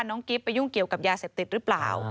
กิ๊บไปยุ่งเกี่ยวกับยาเสพติดหรือเปล่า